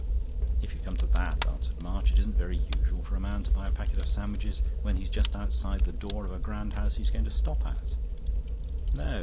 "If you come to that," answered March, "it isn't very usual for a man to buy a packet of sandwiches when he's just outside the door of a grand house he's going to stop at." "No